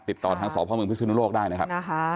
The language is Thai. ติดต่อทางสพเมืองพิศนุโลกได้นะครับ